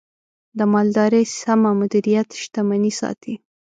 د مالدارۍ سمه مدیریت، شتمني ساتي.